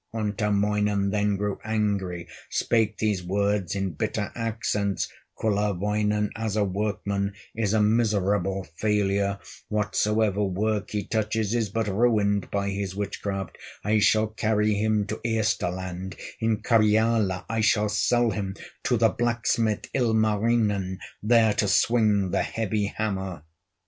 Untamoinen then grew angry, Spake these words in bitter accents: "Kullerwoinen as a workman Is a miserable failure; Whatsoever work he touches Is but ruined by his witchcraft; I shall carry him to Ehstland, In Karyala I shall sell him To the blacksmith, Ilmarinen, There to swing the heavy hammer."